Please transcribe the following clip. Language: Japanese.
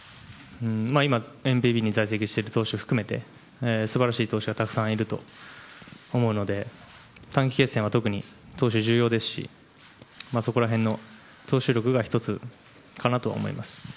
今、日本に在籍している投手を含めて素晴らしい投手がたくさんいると思うので短期決戦は特に投手が重要ですしそこら辺の投手力かなと思います。